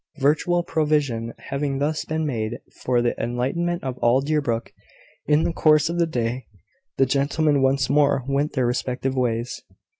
Virtual provision having thus been made for the enlightenment of all Deerbrook in the course of the day, the gentlemen once more went their respective ways.